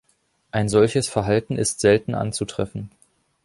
Ein solches Verhalten ist selten anzutreffen.